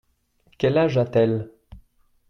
Quel âge a-t-elle ?